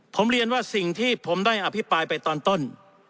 ผมเรียนว่าสิ่งที่ผมได้อภิปรายไปตอนต้น